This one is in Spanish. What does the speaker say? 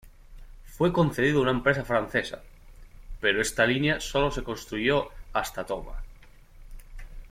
Fue concedido a una empresa francesa, pero esta línea solo se construyó hasta Toma.